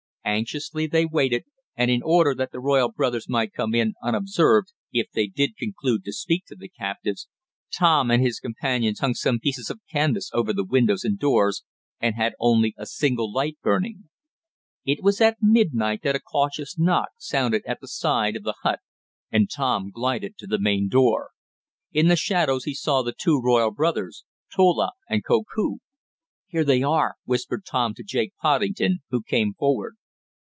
Anxiously they waited, and in order that the royal brothers might come in unobserved, if they did conclude to speak to the captives, Tom and his companions hung some pieces of canvas over the windows and doors, and had only a single light burning. It was at midnight that a cautious knock sounded at the side of the hut and Tom glided to the main door. In the shadows he saw the two royal brothers, Tola and Koku. "Here they are!" whispered Tom to Jake Poddington, who came forward.